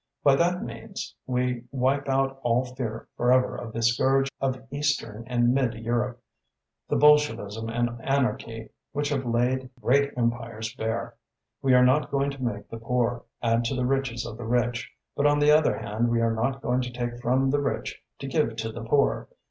By that means we wipe out all fear forever of the scourge of eastern and mid Europe, the bolshevism and anarchy which have laid great empires bare. We are not going to make the poor add to the riches of the rich, but on the other hand we are not going to take from the rich to give to the poor.